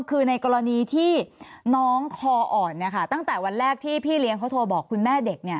คือในกรณีที่น้องคออ่อนตั้งแต่วันแรกที่พี่เลี้ยงเขาโทรบอกคุณแม่เด็ก